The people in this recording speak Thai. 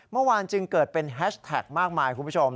เมื่อวานจึงเกิดเป็นแฮชแท็กมากมายคุณผู้ชม